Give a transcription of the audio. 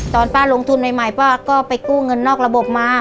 ตอนป้าลงทุนใหม่ป้าก็ไปกู้เงินนอกระบบมา